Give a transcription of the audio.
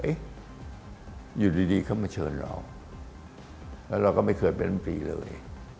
เอ้ยอยู่ดีเขามาเชิญเราก็ไม่เคยเป็นปรีเลย